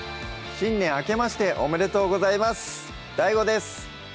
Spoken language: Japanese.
新年明けましておめでとうございますＤＡＩＧＯです